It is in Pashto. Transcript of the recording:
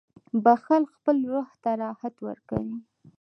• بخښل خپل روح ته راحت ورکوي.